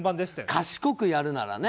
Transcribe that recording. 賢くやるならね。